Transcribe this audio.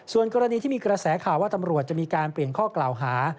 ส่วนกรณีที่มีกระแสข่าวว่าตำรวจจะมีการเปลี่ยนข้อกล่าวหา